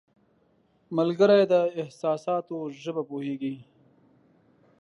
ملګری د احساساتو ژبه پوهیږي